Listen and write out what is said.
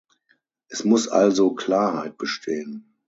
Es muss also Klarheit bestehen.